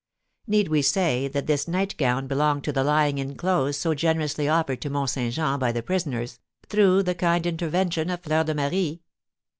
Need we say that this nightgown belonged to the lying in clothes so generously offered to Mont Saint Jean by the prisoners, through the kind intervention of Fleur de Marie?